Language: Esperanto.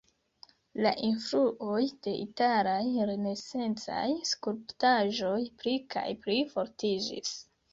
La influoj de italaj renesancaj skulptaĵoj pli kaj pli fortiĝis.